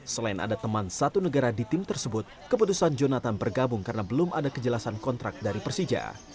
selain ada teman satu negara di tim tersebut keputusan jonathan bergabung karena belum ada kejelasan kontrak dari persija